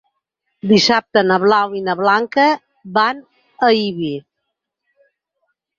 Dissabte na Blau i na Blanca van a Ibi.